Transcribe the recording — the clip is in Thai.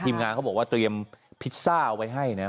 งานเขาบอกว่าเตรียมพิซซ่าเอาไว้ให้นะ